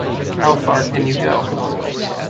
How Far Can You Go?